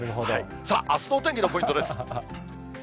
さあ、あすのお天気のポイントです。